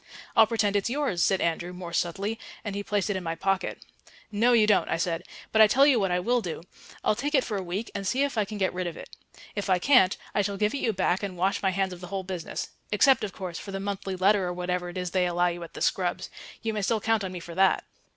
"I'll pretend it's yours," said Andrew more subtly, and he placed it in my pocket. "No, you don't," I said. "But I tell you what I will do. I'll take it for a week and see if I can get rid of it. If I can't, I shall give it you back and wash my hands of the whole business except, of course, for the monthly letter or whatever it is they allow you at the Scrubbs. You may still count on me for that."